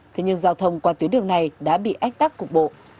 thế nhưng giao thông qua tuyến đường này đã bị ách tắc cục bộ